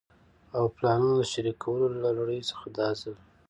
او پلانونو د شريکولو له لړۍ څخه دا ځل